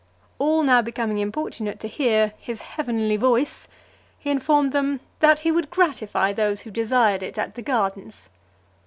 All now becoming importunate to hear "his heavenly voice," he informed them, "that he would gratify those who desired it at the gardens."